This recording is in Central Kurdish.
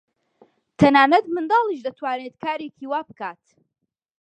تەنانەت منداڵیش دەتوانێت کارێکی وا بکات.